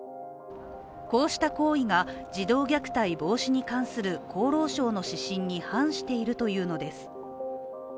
こうした行為が児童虐待防止に関する厚労省の指針に反しているというのです。